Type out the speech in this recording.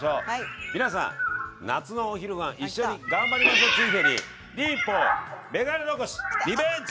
皆さん夏のお昼ごはん一緒に頑張りましょうついでに忍法眼鏡残しリベンジ！